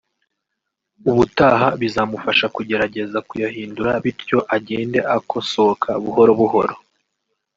ubutaha bizamufasha kugerageza kuyahindura bityo agende akosoka buhoro buhoro